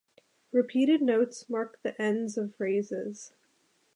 Repeated notes mark the ends of phrases.